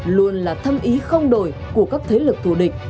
luôn là tâm ý không đổi của các thế lực thù địch